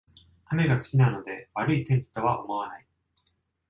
雨が好きなので悪い天気とは思わない